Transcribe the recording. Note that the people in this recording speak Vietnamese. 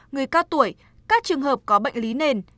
người cao tuổi các trường hợp có bệnh lý nền